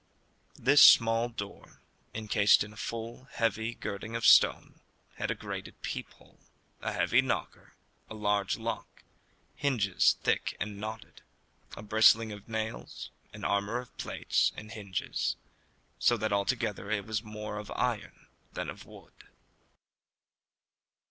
This small door, encased in a full, heavy girding of stone, had a grated peephole, a heavy knocker, a large lock, hinges thick and knotted, a bristling of nails, an armour of plates, and hinges, so that altogether it was more of iron than of wood.